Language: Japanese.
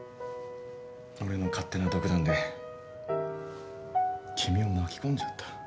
俺の勝手な独断で君を巻き込んじゃった。